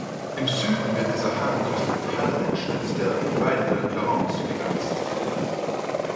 Im Süden wird dieser Hang durch den Taleinschnitt der "Baye de Clarens" begrenzt.